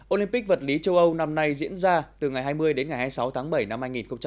olympic vật lý châu âu năm nay diễn ra từ ngày hai mươi đến ngày hai mươi sáu tháng bảy năm hai nghìn hai mươi